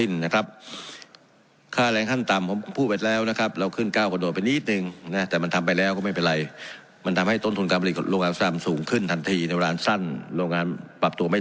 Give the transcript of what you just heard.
ในเรื่องของทฤษฎีใหม่นะครับอันนี้